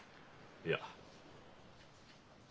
いや。